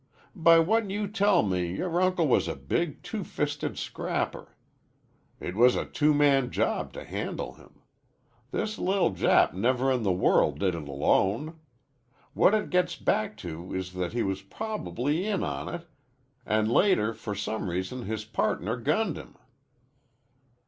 By what you tell me yore uncle was a big, two fisted scrapper. It was a two man job to handle him. This li'l' Jap never in the world did it alone. What it gets back to is that he was prob'ly in on it an' later for some reason his pardner gunned him."